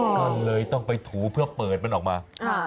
ก็เลยต้องไปถูเพื่อเปิดมันออกมา